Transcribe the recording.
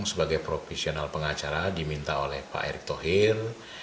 sebagai profesional pengacara diminta oleh pak erick thohir